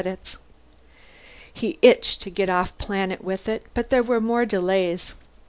He itched to get off planet with it, but there were more delays.